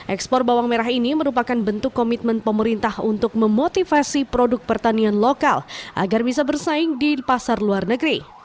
ekspor bawang merah ini merupakan bentuk komitmen pemerintah untuk memotivasi produk pertanian lokal agar bisa bersaing di pasar luar negeri